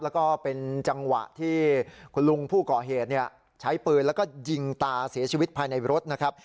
แล้วก็เป็นจังหวะที่คุณลุงผู้ก่อเหตุใช้ปืนแล้วก็ยิงตาเสียชีวิตภายในรถนะครับ